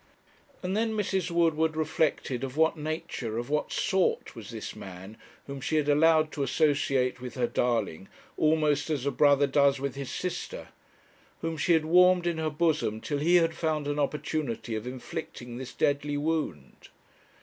And then Mrs. Woodward reflected of what nature, of what sort, was this man whom she had allowed to associate with her darling, almost as a brother does with his sister; whom she had warmed in her bosom till he had found an opportunity of inflicting this deadly wound.